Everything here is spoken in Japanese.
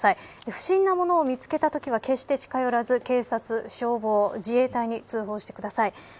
不審な物を見つけたときは決して近寄らず警察、消防、自衛隊に通報してください。